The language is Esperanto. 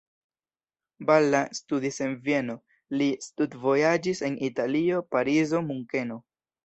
Balla studis en Vieno, li studvojaĝis en Italio, Parizo, Munkeno.